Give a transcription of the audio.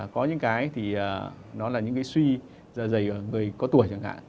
có những cái thì nó là những cái suy da dày ở người có tuổi chẳng hạn